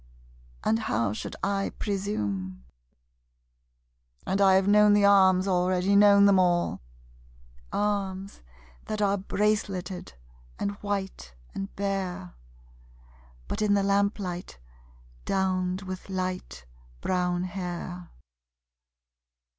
And how should I presume? And I have known the arms already, known them all Arms that are braceleted and white and bare (But in the lamplight, downed with light brown hair!)